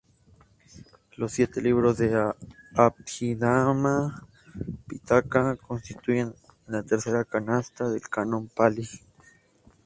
Los siete libros del Abhidhamma-pitaka constituyen la tercera Canasta del Canon Pali.